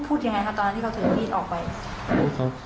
พูดยังไงคะตอนที่เขาถือมีดออกไป